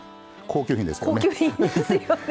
高級品ですよね。